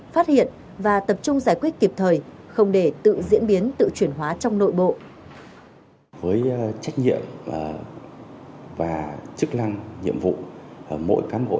phát hiện và tập trung giải quyết kịp thời không để tự diễn biến tự chuyển hóa trong nội bộ